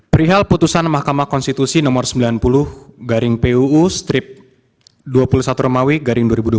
perihal putusan mahkamah konstitusi nomor sembilan puluh garing puu strip dua puluh satu romawi garing dua ribu dua puluh